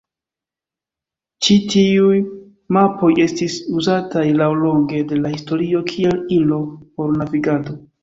Ĉi tiuj mapoj estis uzataj laŭlonge de la historio kiel ilo por navigado.